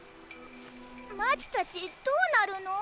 マーチたちどうなるの？